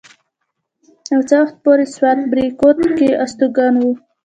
او څه وخته پورې سوات بريکوت کښې استوګن وو